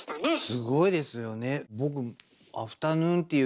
すごいですよね。